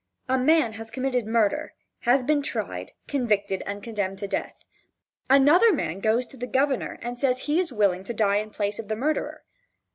A man has committed murder, has been tried, convicted and condemned to death. Another man goes to the governor and says that he is willing to die in place of the murderer.